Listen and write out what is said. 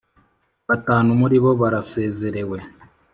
Batanu muribo barasezerewe.